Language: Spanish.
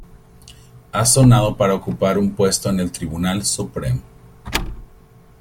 Ha sonado para ocupar un puesto en el Tribunal Supremo.